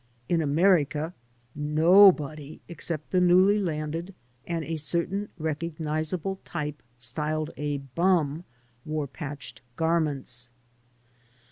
In America nobody, except the newly landed and a certain recognizable type styled a bum, wore patched garments.